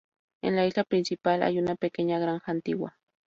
En la isla principal hay una pequeña granja antigua.